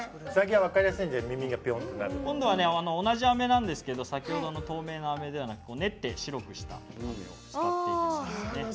同じあめなんですけど先ほどの透明なあめではなくて練って白くしたあめを使っていきます。